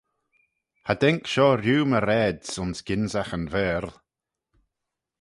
Cha daink shoh rieau my raad's ayns gynsagh yn Vaarle.